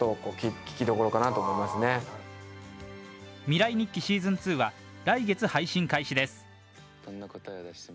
「未来日記」シーズン２は来月配信開始です。